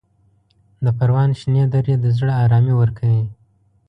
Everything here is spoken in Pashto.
د پروان شنې درې د زړه ارامي ورکوي.